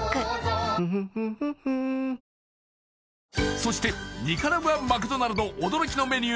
そしてニカラグアマクドナルド驚きのメニュー